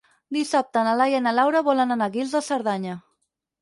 Dissabte na Laia i na Laura volen anar a Guils de Cerdanya.